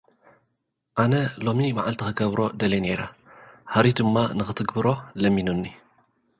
ኣነ ሎሚ መዓልቲ ኽገብሮ ደልየ ነይረ፣ ሃሪ ድማ ንኸትግብሮ ለሚኑኒ።